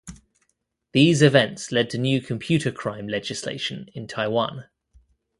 These events led to new computer crime legislation in Taiwan.